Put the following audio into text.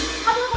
si mak kabur